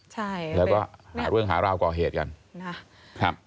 ใช่แล้วก็หาเรื่องหาราวก่อเหตุกันนะครับ